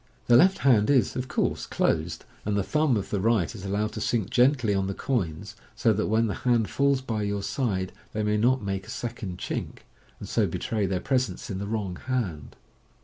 The left hand is, of course, closed, and the thumb of the right is allowed to sink gently on the coins, so that when the hand falls by your side, they may not make a second chink, and so betray their presence in the wrong hand.